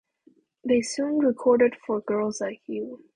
They soon recorded "For Girls Like You".